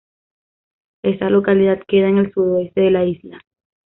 Esta localidad queda en el sudoeste de la isla.